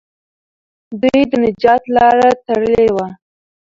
دوی د نجات لاره تړلې وه.